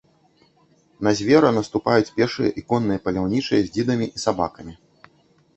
На звера наступаюць пешыя і конныя паляўнічыя з дзідамі і сабакамі.